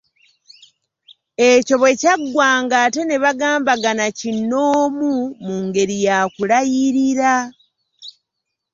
Ekyo bwe kyaggwanga ate ne bagambagana kinnoomu, mu ngeri ya kulayirira.